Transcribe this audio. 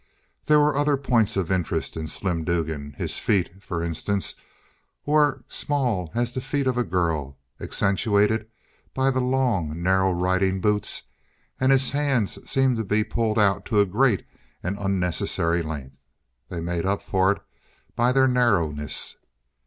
There were other points of interest in Slim Dugan; his feet, for instance, were small as the feet of a girl, accentuated by the long, narrow riding boots, and his hands seemed to be pulled out to a great and unnecessary length. They made up for it by their narrowness.